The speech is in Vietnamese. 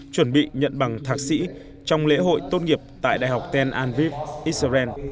chuẩn bị nhận bằng thạc sĩ trong lễ hội tốt nghiệp tại đại học ten anviv israel